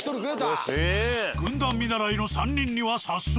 軍団見習いの３人には早速。